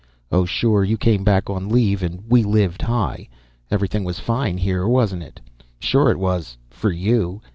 Oh, sure, you came back on leave and we lived high. Everything was fine here, wasn't it? Sure it was, for you.